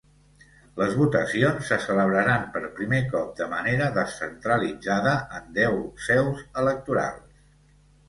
Les votacions se celebraran, per primer cop, de manera descentralitzada en deu seus electorals.